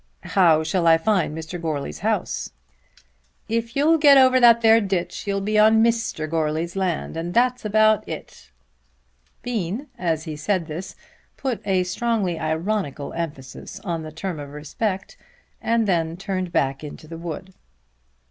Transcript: "How shall I find Mr. Goarly's house?" "If you'll get over that there ditch you'll be on Mister Goarly's land and that's all about it." Bean as he said this put a strongly ironical emphasis on the term of respect and then turned back into the wood.